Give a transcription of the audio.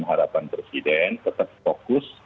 harapan presiden tetap fokus